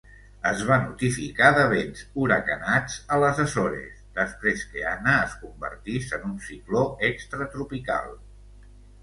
Es va notificar de vents huracanats a les Azores després que Anna es convertís en un cicló extratropical.